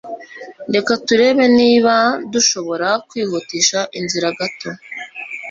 Reka turebe niba dushobora kwihutisha inzira gato.